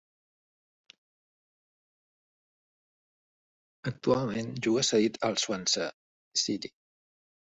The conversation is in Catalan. Actualment juga cedit al Swansea City.